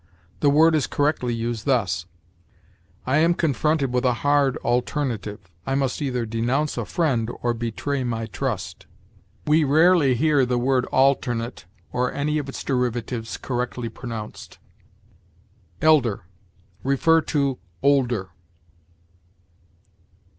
The word is correctly used thus: "I am confronted with a hard alternative: I must either denounce a friend or betray my trust." We rarely hear the word alternate or any of its derivatives correctly pronounced. ELDER. See OLDER.